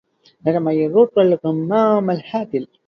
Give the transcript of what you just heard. لك ما يروقه الغمام الهاطل